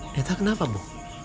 neta kenapa bu